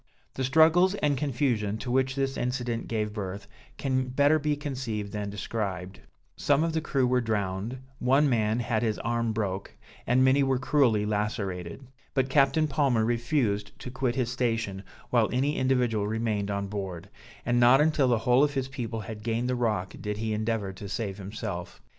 The struggles and confusion to which this incident gave birth, can better be conceived than described; some of the crew were drowned, one man had his arm broke, and many were cruelly lacerated; but Captain Palmer refused to quit his station, while any individual remained on board; and not until the whole of his people had gained the rock did he endeavor to save himself.